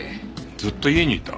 ずっと家にいた？